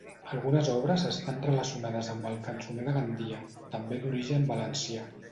Algunes obres estan relacionades amb el cançoner de Gandia, també d'origen valencià.